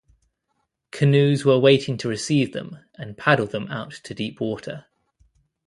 Canoes were waiting to receive them and paddle them out to deep water.